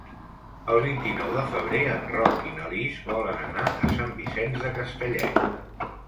El vint-i-nou de febrer en Roc i na Lis volen anar a Sant Vicenç de Castellet.